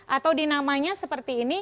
atau di namanya seperti ini